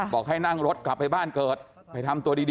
บอกให้นั่งรถกลับไปบ้านเกิดไปทำตัวดี